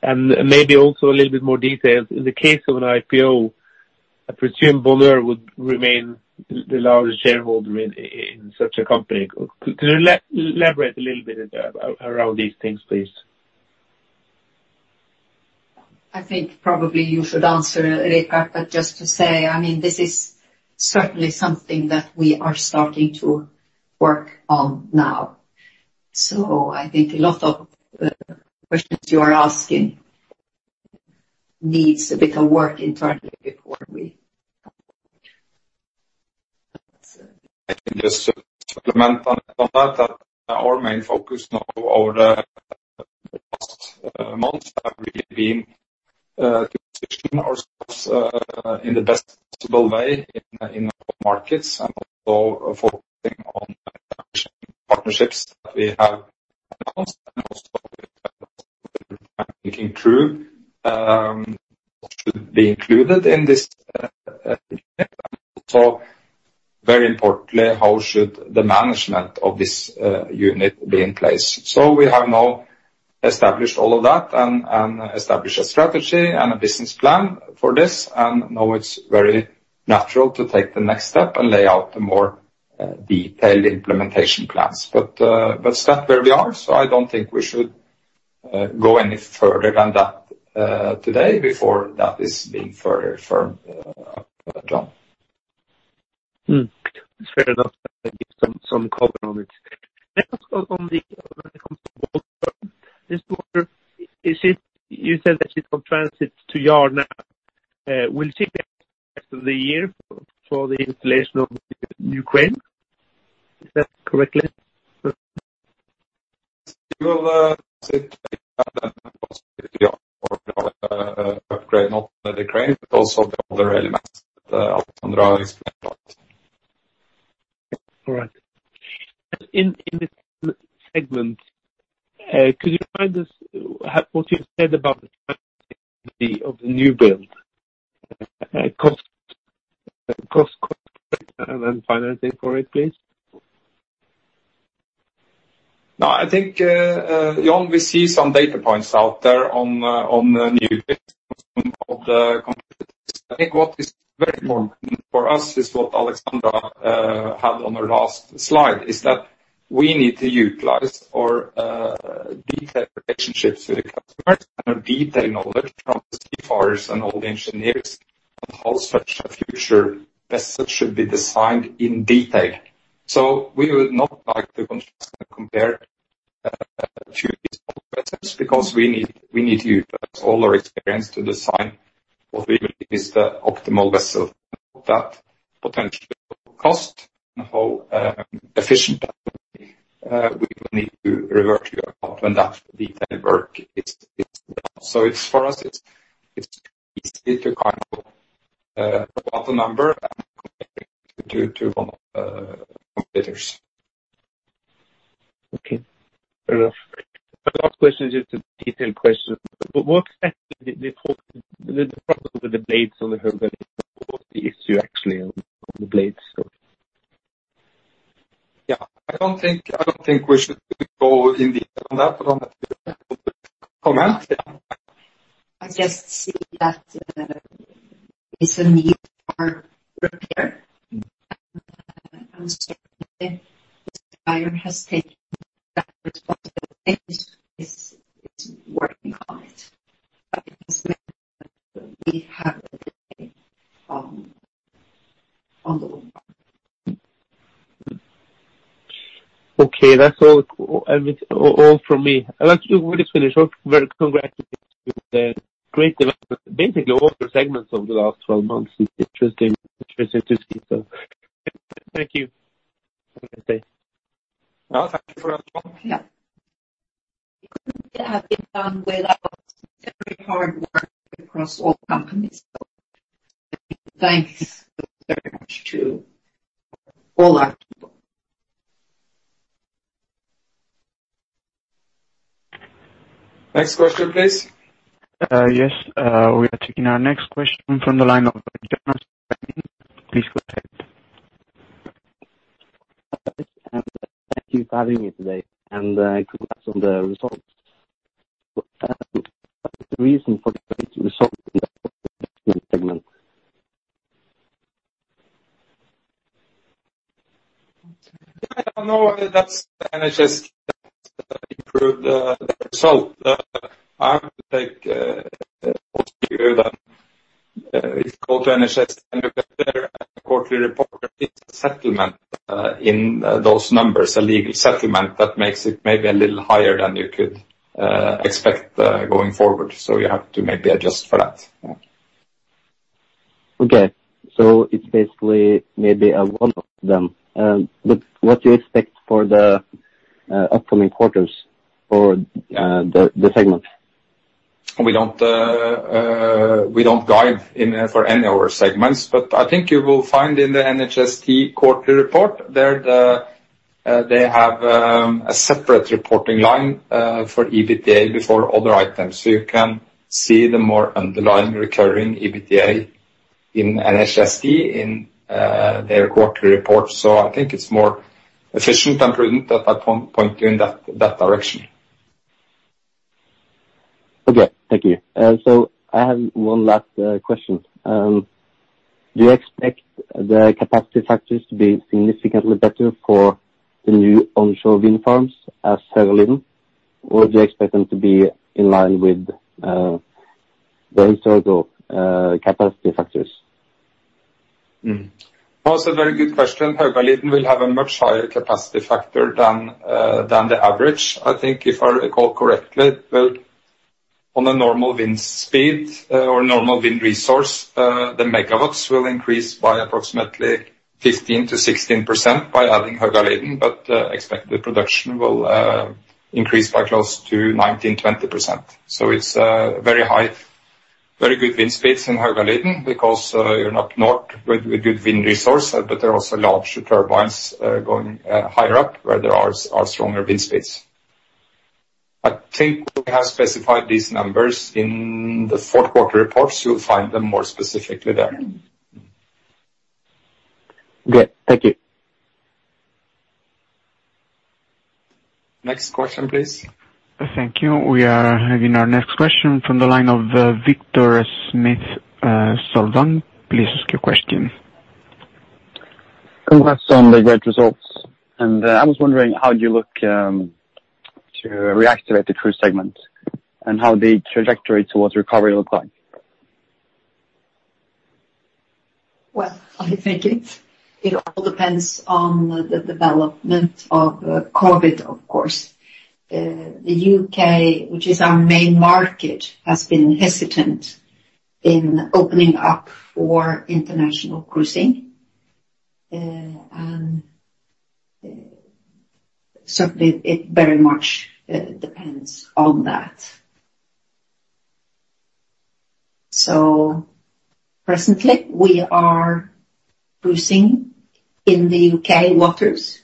Maybe also a little bit more details. In the case of an IPO, I presume Bonheur would remain the largest shareholder in such a company. Could you elaborate a little bit around these things, please? I think probably you should answer, Richard, but just to say, this is certainly something that we are starting to work on now. I think a lot of the questions you are asking needs a bit of work internally before we. I can just supplement on that, our main focus now over the past months have really been to position ourselves in the best possible way in our markets and also focusing on partnerships that we have announced and also should be included in this. Also, very importantly, how should the management of this unit be in place? We have now established all of that and established a strategy and a business plan for this. Now it's very natural to take the next step and lay out the more detailed implementation plans. That's where we are. I don't think we should go any further than that today before that is being further firmed, John. It's fair enough. I give some comment on it. Next, when it comes to Bold Tern, this quarter, you said that it's on transit to yard now. Will it take the rest of the year for the installation of the new crane? Is that correctly? You will see that possibly upgrade, not only the crane, but also the other elements that Alexandra explained about. All right. In this segment, could you remind us what you said about the of the new build? Cost and then financing for it, please? No, I think, John, we see some data points out there on the new build of the competitors. I think what is very important for us is what Alexandra had on her last slide, is that we need to utilize our detailed relationships with the customers and our detailed knowledge from seafarers and all the engineers on how such a future vessel should be designed in detail. We would not like to compare to these competitors because we need to utilize all our experience to design what we believe is the optimal vessel. That potential cost and how efficient that will be, we will need to revert to you about when that detailed work is done. For us, it's easy to kind of put out a number and compare it to competitors. Okay. Fair enough. The last question is just a detailed question. What exactly the problem with the blades on the Högaliden? What was the issue actually on the blades? Yeah, I don't think we should go in deep on that, but on that comment. I just see that there is a need for repair. Certainly, the supplier has taken that responsibility and is working on it. It has meant that we have a delay on delivery. Okay. That's all from me. I'd like to just finish off. Congratulations with the great development, basically all the segments over the last 12 months. It's interesting to see. Thank you. Have a nice day. No, thank you for asking. Yeah. It couldn't have been done without very hard work across all companies. Thanks very much to all our people. Next question, please. Yes. We are taking our next question from the line of Jonas Ganning. Please go ahead. Thank you for having me today. Congrats on the results. What's the reason for the great result in the segment? I don't know whether that's NHST improved the result. I would think, also hear that if you go to NHST, you get their quarterly report. It's a settlement in those numbers, a legal settlement that makes it maybe a little higher than you could expect going forward. You have to maybe adjust for that. Okay. It's basically maybe a one-off then. What do you expect for the upcoming quarters for the segment? We don't guide for any of our segments, but I think you will find in the NHST quarterly report, they have a separate reporting line for EBITDA before other items. You can see the more underlying recurring EBITDA in NHST in their quarterly report. I think it's more efficient and prudent that I point you in that direction. Okay. Thank you. I have one last question. Do you expect the capacity factors to be significantly better for the new onshore wind farms as Högaliden? Do you expect them to be in line with very sort of capacity factors? That's a very good question. Högaliden will have a much higher capacity factor than the average. I think if I recall correctly, on a normal wind speed or normal wind resource, the megawatts will increase by approximately 15%-16% by adding Högaliden. Expected production will increase by close to 19%, 20%. It's very good wind speeds in Högaliden because you're up north with good wind resource, but there are also larger turbines going higher up where there are stronger wind speeds. I think we have specified these numbers in the fourth quarter reports. You'll find them more specifically there. Good. Thank you. Next question, please. Thank you. We are having our next question from the line of Victor Smith Solvang. Please ask your question. Congrats on the great results. I was wondering how you look to reactivate the cruise segment and how the trajectory towards recovery looks like. Well, I think it all depends on the development of COVID-19, of course. The U.K., which is our main market, has been hesitant in opening up for international cruising. Certainly, it very much depends on that. Presently, we are cruising in the U.K. waters,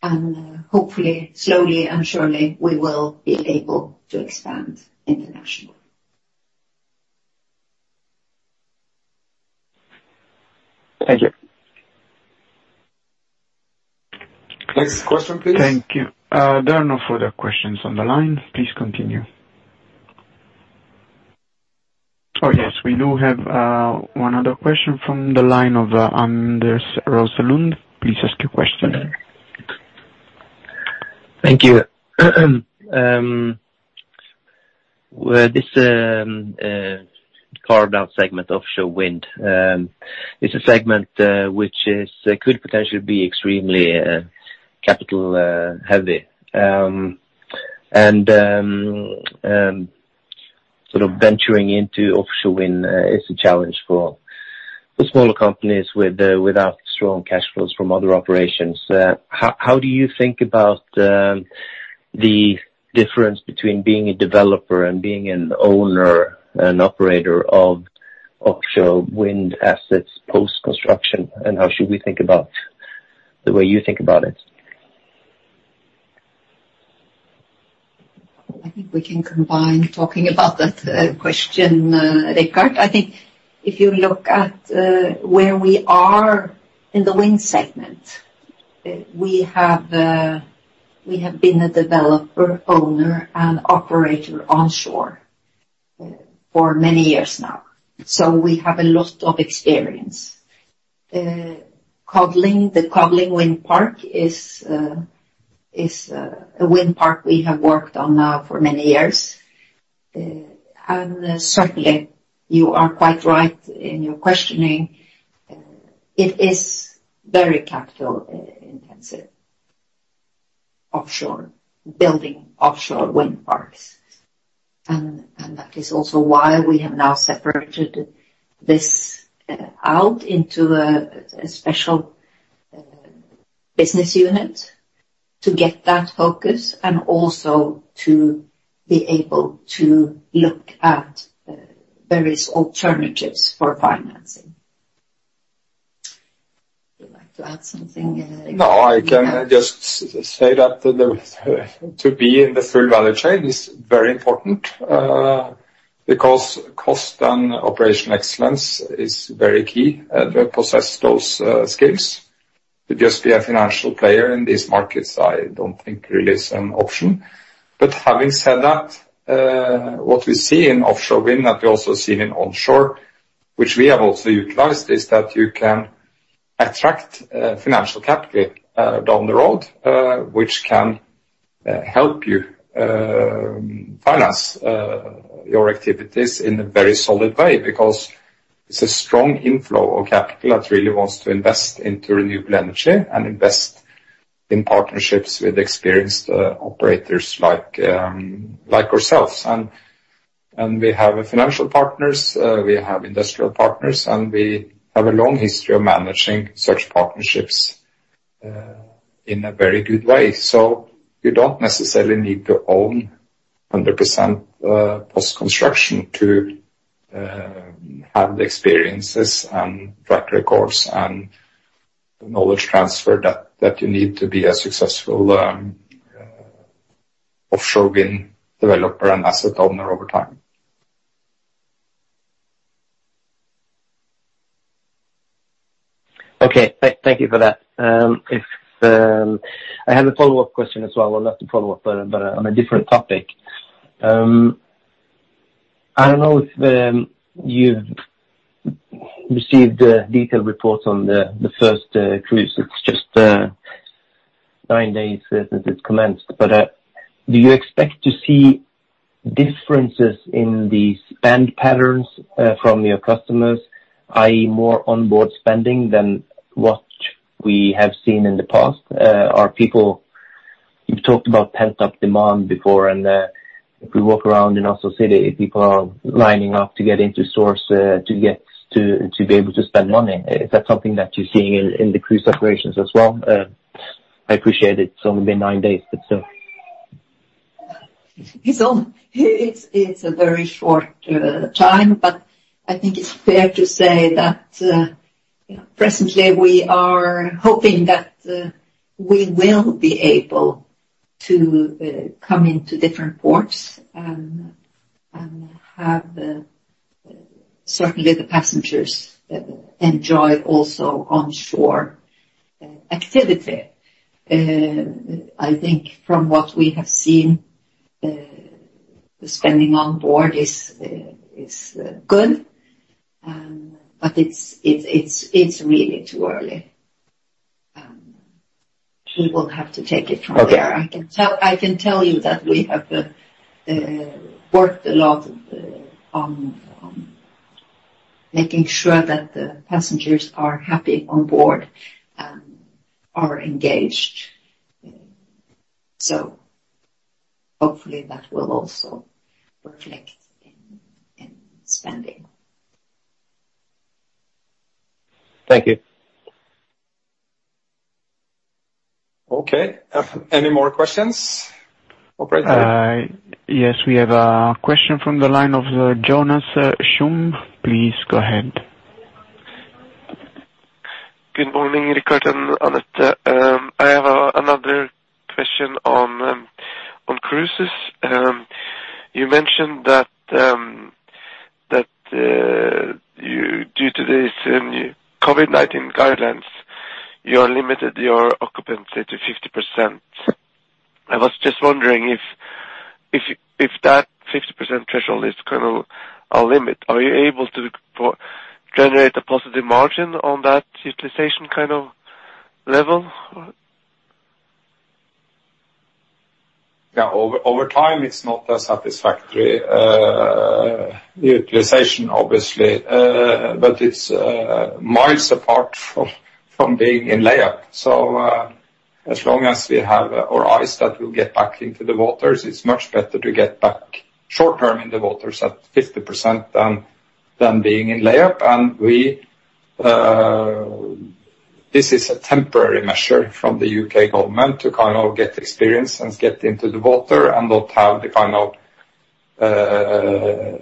and hopefully slowly and surely we will be able to expand internationally. Thank you. Next question, please. Thank you. There are no further questions on the line. Please continue. Oh, yes. We do have one other question from the line of Anders Roslund. Please ask your question. Thank you. Well, this carved-out segment offshore wind, it's a segment which could potentially be extremely capital heavy. Sort of venturing into offshore wind is a challenge for smaller companies without strong cash flows from other operations. How do you think about the difference between being a developer and being an owner and operator of offshore wind assets post-construction, and how should we think about the way you think about it? I think we can combine talking about that question, Richard. I think if you look at where we are in the wind segment, we have been a developer, owner, and operator onshore for many years now. We have a lot of experience. The Codling Wind Park is a wind park we have worked on now for many years. Certainly, you are quite right in your questioning. It is very capital-intensive offshore, building offshore wind parks. That is also why we have now separated this out into a special business unit to get that focus and also to be able to look at various alternatives for financing. Would you like to add something, Richard? No, I can just say that to be in the full value chain is very important, because cost and operational excellence is very key, to possess those skills. To just be a financial player in these markets, I don't think really is an option. Having said that, what we see in offshore wind that we also see in onshore, which we have also utilized, is that you can attract financial capital down the road, which can help you finance your activities in a very solid way. Because it's a strong inflow of capital that really wants to invest into renewable energy and invest in partnerships with experienced operators like ourselves. We have financial partners, we have industrial partners, and we have a long history of managing such partnerships in a very good way. You don't necessarily need to own 100% post-construction to have the experiences and track records and the knowledge transfer that you need to be a successful offshore wind developer and asset owner over time. Okay. Thank you for that. I have a follow-up question as well. Well, not a follow-up, but on a different topic. I don't know if you've received a detailed report on the first cruise. It's just nine days since it's commenced. Do you expect to see differences in the spend patterns from your customers, i.e., more onboard spending than what we have seen in the past? You've talked about pent-up demand before. If we walk around in Oslo city, people are lining up to get into stores to be able to spend money. Is that something that you're seeing in the cruise operations as well? I appreciate it's only been nine days, but still. It's a very short time, but I think it's fair to say that presently we are hoping that we will be able to come into different ports and have certainly the passengers enjoy also onshore activity. I think from what we have seen. The spending on board is good. It's really too early. People have to take it from there. I can tell you that we have worked a lot on making sure that the passengers are happy on board and are engaged. Hopefully that will also reflect in spending. Thank you. Okay. Any more questions? Operator. Yes. We have a question from the line of Jonas Shum. Please go ahead. Good morning, Richard and Anette. I have another question on cruises. You mentioned that due to these COVID-19 guidelines, you are limited your occupancy to 50%. I was just wondering if that 50% threshold is a limit. Are you able to generate a positive margin on that utilization level? Yeah. Over time, it's not a satisfactory utilization, obviously, but it's miles apart from being in layup. As long as we have our eyes that we'll get back into the waters, it's much better to get back short-term in the waters at 50% than being in layup. This is a temporary measure from the U.K. government to get experience and get into the water and not have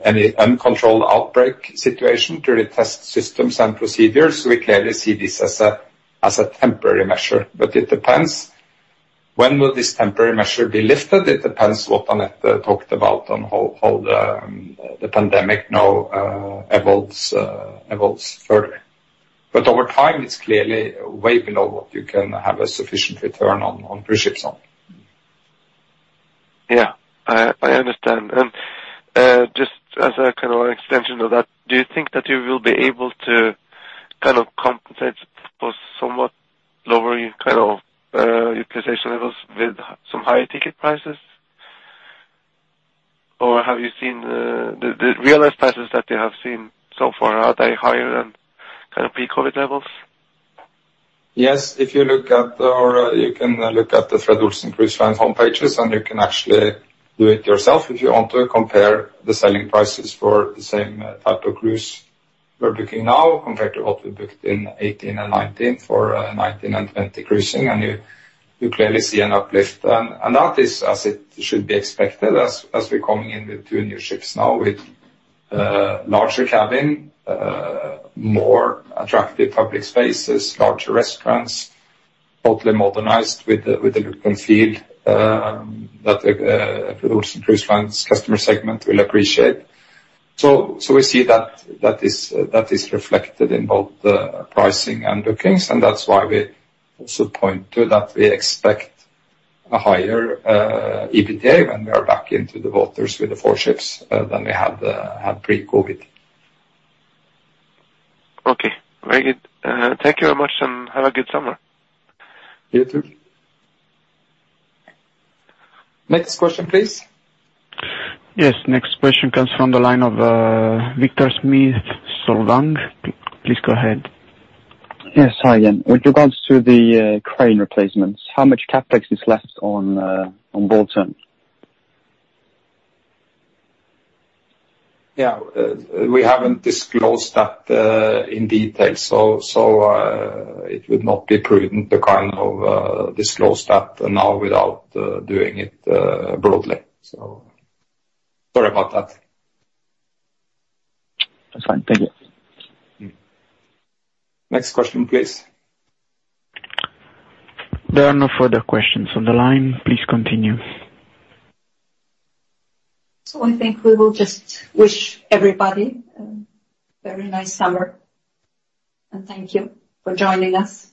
any uncontrolled outbreak situation to really test systems and procedures. We clearly see this as a temporary measure, but it depends. When will this temporary measure be lifted? It depends what Anette talked about on how the pandemic now evolves further. Over time, it's clearly way below what you can have a sufficient return on cruises on. Yeah. I understand. Just as a kind of extension of that, do you think that you will be able to compensate for somewhat lower utilization levels with some higher ticket prices? Or the realized prices that you have seen so far, are they higher than pre-COVID levels? Yes, if you look at our, you can look at the Fred. Olsen Cruise Lines homepages, and you can actually do it yourself if you want to compare the selling prices for the same type of cruise we're booking now compared to what we booked in 2018 and 2019 for 2019 and 2020 cruising, and you clearly see an uplift. That is as it should be expected as we're coming in with two new ships now with larger cabin, more attractive public spaces, larger restaurants, totally modernized with a look and feel that Fred. Olsen Cruise Lines customer segment will appreciate. We see that is reflected in both the pricing and bookings, and that's why we also point to that we expect a higher EBITDA when we are back into the waters with the four ships than we had pre-COVID. Okay. Very good. Thank you very much, and have a good summer. You too. Next question, please. Yes. Next question comes from the line of Victor Smith Solvang. Please go ahead. Yes. Hi again. With regards to the crane replacements, how much CapEx is left on both ends? Yeah. We haven't disclosed that in detail, so it would not be prudent to disclose that now without doing it broadly. Sorry about that. That's fine. Thank you. Next question, please. There are no further questions on the line. Please continue. I think we will just wish everybody a very nice summer, and thank you for joining us.